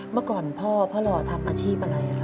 เมื่อก่อนพ่อพ่อหล่อต้องทำอาชีพอะไรอ่ะครับ